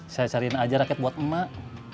saya cariin aja rakyat buat emak